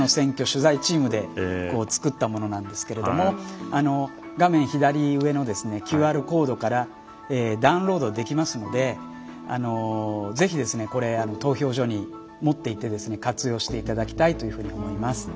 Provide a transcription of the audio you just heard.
取材チームで作ったものなんですけれども画面左上のＱＲコードからダウンロードできますのでぜひこれ投票所に持っていって活用していただきたいというふうに思います。